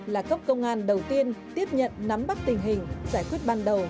là cấp công an đầu tiên tiếp nhận nắm bắt tình hình giải quyết ban đầu